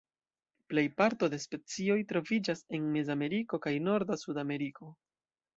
Plej parto de specioj troviĝas en Mezameriko kaj norda Sudameriko.